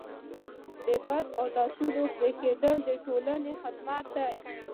د بد عادتونو پرېښودل د ټولنې خدمت دی.